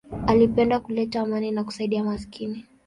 Alipenda kuleta amani na kusaidia maskini.